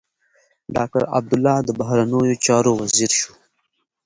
ډاکټر عبدالله د بهرنيو چارو وزیر شو.